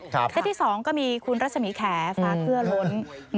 ซึ่งเซ็ทที่๒ก็มีคุณรัศหมี่แขน์สเวลาโล้นมาด้วย